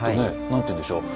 何ていうんでしょう